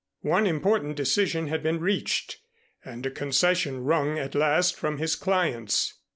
One important decision had been reached, and a concession wrung at last from his clients.